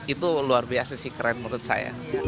itu luar biasa sih keren menurut saya